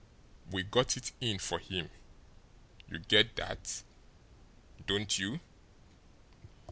We got it in for him. You get that, don't you?